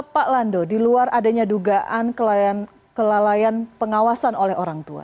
pak lando di luar adanya dugaan kelalaian pengawasan oleh orang tua